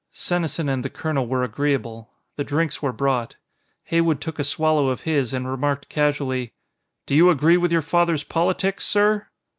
Senesin and the colonel were agreeable. The drinks were brought. Heywood took a swallow of his, and remarked casually: "Do you agree with your father's politics, sir?"